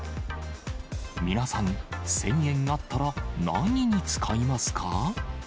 皆さん、１０００円あったら何に使いますか？